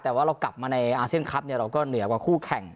แต่ว่าเรากลับมาในอาเซียนคลับเราก็เหนือกว่าคู่แข่ง